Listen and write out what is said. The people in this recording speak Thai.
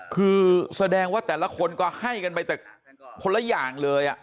คือแสดงว่าแต่ละคนก็ให้กันไปแต่คนละอย่างเลย